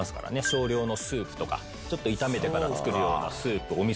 少量のスープとかちょっと炒めてから作るようなスープおみそ汁。